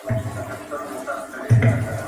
بد زړه بې ارامه وي